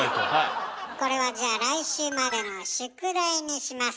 これはじゃあ来週までの宿題にします。